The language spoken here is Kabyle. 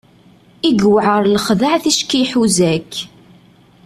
I yewɛer lexdeɛ ticki iḥuz-ak!